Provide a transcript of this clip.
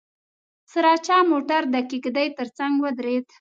سراچه موټر د کېږدۍ تر څنګ ودرېد.